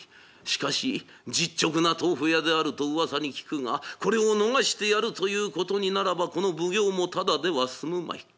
しかし実直な豆腐屋であるとうわさに聞くがこれを逃してやるということにならばこの奉行もただでは済むまい。